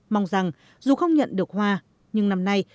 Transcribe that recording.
mong rằng dù không nhận được hoa nhưng năm nay